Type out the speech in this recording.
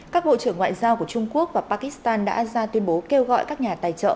các bộ trưởng ngoại giao của trung quốc và pakistan đã ra tuyên bố kêu gọi các nhà tài trợ